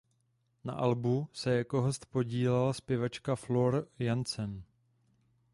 Na albu se jako host podílela zpěvačka Floor Jansen.